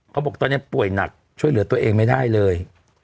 เขาบอกตอนนี้ป่วยหนักช่วยเหลือตัวเองไม่ได้เลย